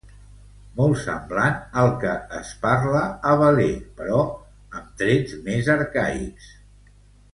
Molt semblant al que es parla a Valais, però amb trets més arcaics.